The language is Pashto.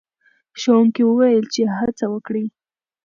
ښوونکی وویل چې هڅه وکړئ.